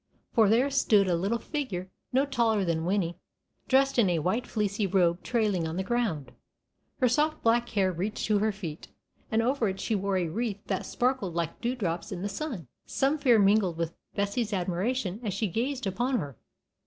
For there stood a little figure no taller than Winnie, dressed in a white fleecy robe trailing on the ground. Her soft black hair reached to her feet, and over it she wore a wreath that sparkled like dew drops in the sun. [Illustration: "A FROWN WAS ON THE FAIRY'S BROW."] Some fear mingled with Bessie's admiration as she gazed upon her.